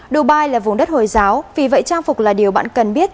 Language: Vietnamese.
dubai là vùng đất hồi giáo vì vậy trang phục là điều bạn cần biết